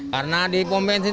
karena di pom bensin